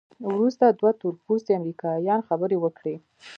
وروسته دوه تورپوستي امریکایان خبرې وکړې.